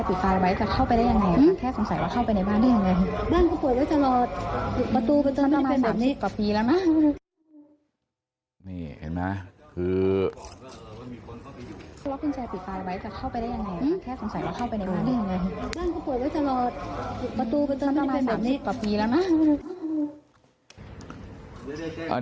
ประตูคุณซันไม่ได้เป็น๓๐กว่าปีแล้วนะ